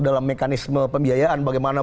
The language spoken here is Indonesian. dalam mekanisme pembiayaan bagaimana